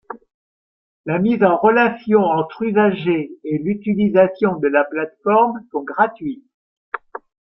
La mise en relation entre usagers et l'utilisation de la plateforme sont gratuites.